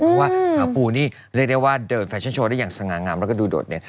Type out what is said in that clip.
เพราะว่าสาวปูนี่เรียกได้ว่าเดินแฟชั่นโชว์ได้อย่างสง่างามแล้วก็ดูโดดเด่น